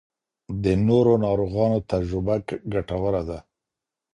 د نورو ناروغانو تجربه ګټوره ده.